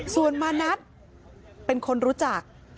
ส่วนมานัทเป็นคนรู้จัก